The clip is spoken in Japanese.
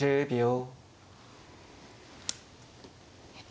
１０秒。